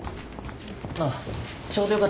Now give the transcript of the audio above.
ああちょうどよかった。